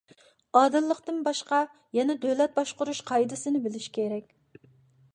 ئادىللىقتىن باشقا، يەنە دۆلەت باشقۇرۇش قائىدىسىنى بىلىش كېرەك.